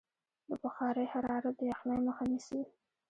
د بخارۍ حرارت د یخنۍ مخه نیسي.